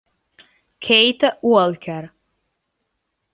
Kate Walker